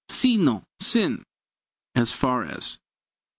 Sino, sin as far as.